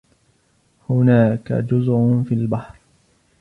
هناك جزر في البحر.